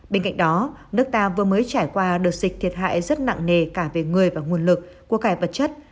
bên cạnh đó nước ta vừa mới trải qua đợt dịch thiệt hại rất nặng nề cả về người và nguồn lực của cải vật chất